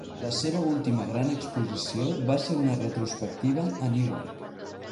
La seva última gran exposició va ser una retrospectiva a Newark.